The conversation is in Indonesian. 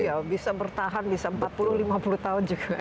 iya bisa bertahan bisa empat puluh lima puluh tahun juga